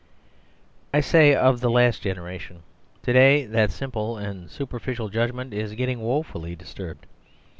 I say," of the last generation." To day that simple and superficial judgmentisgetting woefully disturbed.